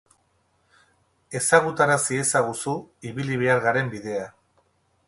Ezagutaraz iezaguzu ibili behar garen bidea.